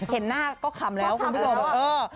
เห็นหน้าก็ขำแล้วคุณผู้หญิงบอกว่าเออ